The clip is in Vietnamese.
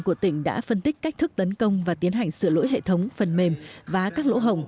của tỉnh đã phân tích cách thức tấn công và tiến hành sửa lỗi hệ thống phần mềm và các lỗ hồng